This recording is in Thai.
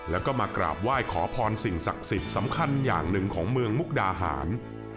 แล้วก็มากราบไหว้ขอพรสิ่งศักดิ์สิทธิ์สำคัญอย่างหนึ่งของเมืองมุกดาหาร